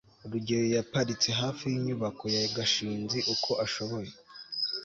rugeyo yaparitse hafi yinyubako ya gashinzi uko ashoboye